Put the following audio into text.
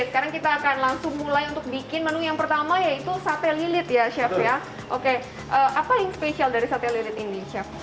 sekarang kita akan langsung mulai untuk bikin menu yang pertama yaitu sate lilit ya chef ya oke apa yang spesial dari sate lilit ini chef